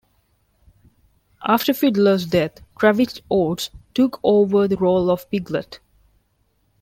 After Fiedler's death, Travis Oates took over the role of Piglet.